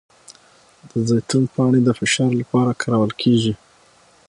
د زیتون پاڼې د فشار لپاره کارول کیږي؟